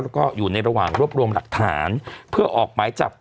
แล้วก็อยู่ในระหว่างรวบรวมหลักฐานเพื่อออกหมายจับ